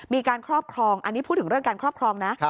ครอบครองอันนี้พูดถึงเรื่องการครอบครองนะ